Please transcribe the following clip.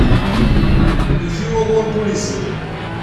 Iwet-iyi waḍu ayyur yezrin.